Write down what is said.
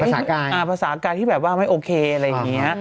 ภาษากายที่แบบว่าไม่โอเคอะไรอย่างนี้